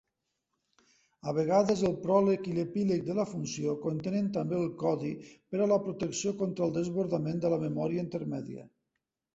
A vegades, el pròleg i l'epíleg de la funció contenen també el codi per a la protecció contra el desbordament de la memòria intermèdia.